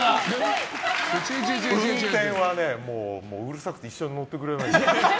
運転はね、うるさくて一緒に乗ってくれない。